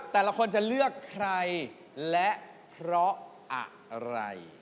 แต่ละคนจะเลือกใครและเพราะอะไร